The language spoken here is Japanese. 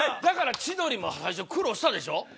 だから千鳥も最初苦労したでしょ。